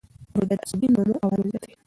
روژه د عصبي نمو عوامل زیاتوي.